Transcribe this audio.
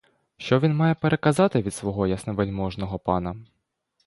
Що він має переказати від свого ясновельможного пана?